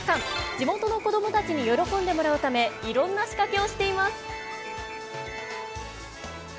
地元の子どもたちに喜んでもらうためいろんな仕掛けをしています。